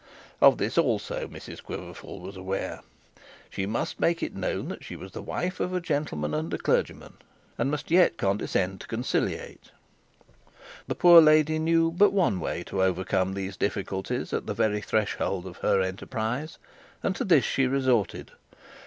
Of this also Mrs Quiverful was aware. She must make it known she was the wife of a gentleman and a clergyman, and must yet condescend to conciliate. The poor lady knew but one way to overcome these difficulties at the very threshold of her enterprise, and to this she resorted.